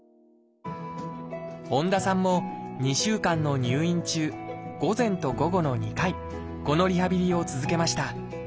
本多さんも２週間の入院中午前と午後の２回このリハビリを続けました。